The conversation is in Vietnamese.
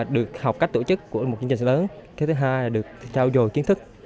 được học cách tổ chức của một chương trình lớn cái thứ hai là được trao dồi kiến thức